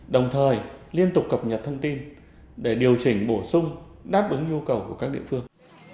đồng thời liên tục cập nhật thông tin để điều chỉnh bổ sung đáp ứng nhu cầu của các địa phương